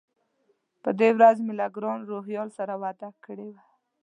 په دې ورځ مې له ګران روهیال سره وعده کړې وه.